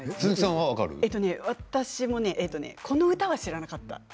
私はこの歌は知らなかった。